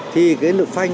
thì cái lực phanh